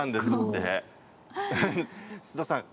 須田さん